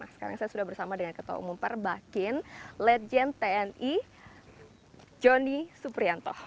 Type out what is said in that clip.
sekarang saya sudah bersama dengan ketua umum perbakin legend tni joni suprianto